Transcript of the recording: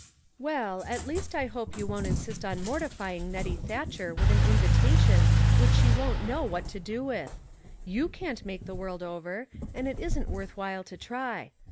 " Well, at least I hope you won't insist on mortifying Nettie Thatcher with an invitation which she won't know what to do with. You can't make the world over, and it isn't worth while to try.